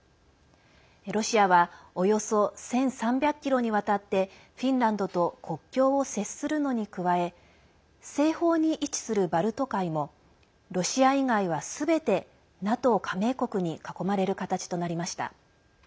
ロシアはおよそ１３００ｋｍにわたってフィンランドと国境を接するのに加え西方に位置するバルト海もロシア以外はすべてＮＡＴＯ加盟国に囲まれる形となりました。